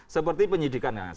seperti penyidikan ya